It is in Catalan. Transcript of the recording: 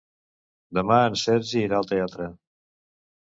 Demà en Sergi irà al teatre.